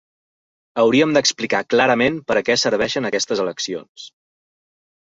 Hauríem d’explicar clarament per a què serveixen aquestes eleccions.